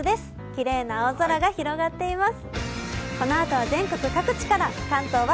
きれいな青空が広がっています。